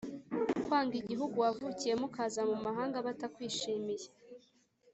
Kwanga igihugu wavukiyemo ukaza mu mahanga batakwishimiye